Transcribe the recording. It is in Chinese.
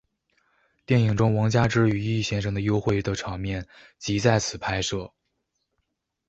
电影中王佳芝与易先生的幽会的场面即在此拍摄。